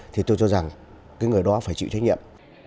thì tôi cho rằng cái người đó phải chịu trách nhiệm